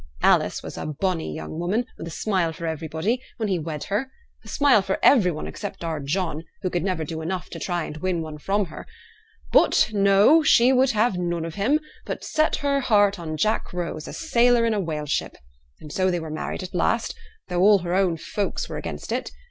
Alice was a bonny young woman, with a smile for everybody, when he wed her a smile for every one except our John, who never could do enough to try and win one from her. But, no! she would have none of him, but set her heart on Jack Rose, a sailor in a whale ship. And so they were married at last, though all her own folks were against it.